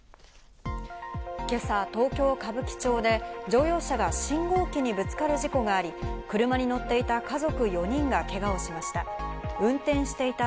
今朝、東京・歌舞伎町で乗用車が信号機にぶつかる事故があり、車に乗っていた家族４人がけがをしました。